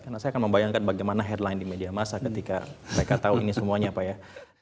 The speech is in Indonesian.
karena saya akan membayangkan bagaimana headline di media masa ketika mereka tahu ini semuanya pak ya